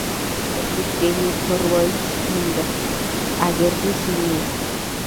Kyageer sesenyu korwonyi, Tomo agere pusinyu